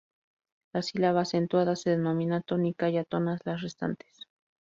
La sílaba acentuada se denomina tónica, y átonas las restantes.